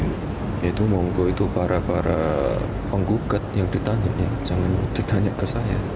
itu monggo itu para para penggugat yang ditanya jangan ditanya ke saya